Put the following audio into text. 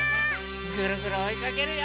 ぐるぐるおいかけるよ！